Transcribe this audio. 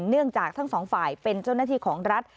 เนื่องจากทั้งสองฝ่ายเป็นเจ้าหน้าที่ของรัฐ